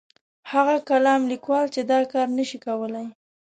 هغه کالم لیکوال چې دا کار نه شي کولای.